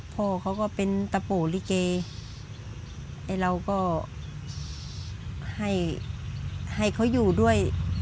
พ่อเขาก็เป็นตะโปลิเกไอ้เราก็ให้ให้เขาอยู่ด้วย